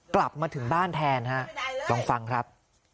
กลับมาถึงบ้านแทนฮะลองฟังครับ